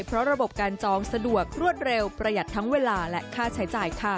เพราะระบบการจองสะดวกรวดเร็วประหยัดทั้งเวลาและค่าใช้จ่ายค่ะ